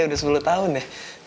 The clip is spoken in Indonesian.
udah sepuluh tahun ya